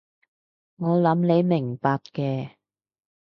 我諗你會明白嘅